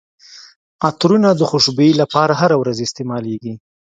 عطرونه د خوشبويي لپاره هره ورځ استعمالیږي.